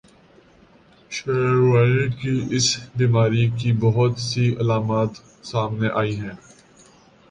شریانوں کی اس بیماری کی بہت سی علامات سامنے آئی ہیں